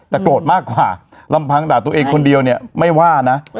แต่โกรธมากกว่าลำพังด่าตัวเองคนเดียวเนี่ยไม่ว่านะ